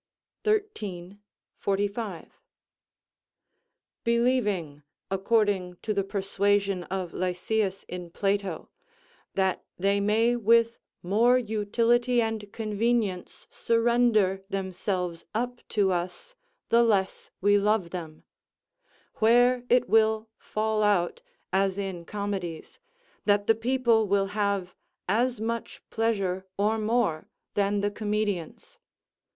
xiii. 45.] believing, according to the persuasion of Lysias in Plato, that they may with more utility and convenience surrender themselves up to us the less we love them; where it will fall out, as in comedies, that the people will have as much pleasure or more than the comedians.